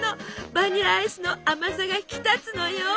バニラアイスの甘さが引き立つのよ！